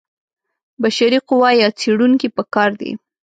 بشري قوه یا څېړونکي په کار دي.